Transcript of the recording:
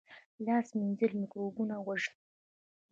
لاس مینځل مکروبونه وژني